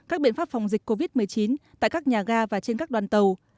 các biện pháp phòng dịch covid một mươi chín tại các nhà ga và trên các đoàn tàu